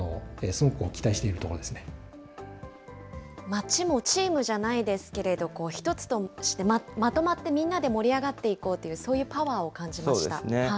町もチームじゃないですけれど、１つとしてまとまって、みんなで盛り上がっていこうという、そういうパワーを感じました。